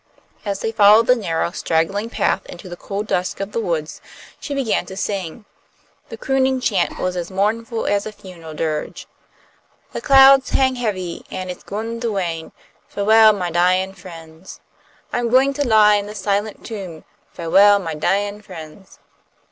As they followed the narrow, straggling path into the cool dusk of the woods, she began to sing. The crooning chant was as mournful as a funeral dirge. "The clouds hang heavy, an' it's gwine to rain. Fa'well, my dyin' friends. I'm gwine to lie in the silent tomb. Fa'well, my dyin' friends."